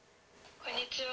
「こんにちは。